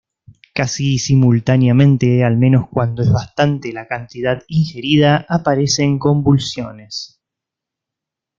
Casi simultáneamente al menos cuando es bastante la cantidad ingerida, aparecen convulsiones.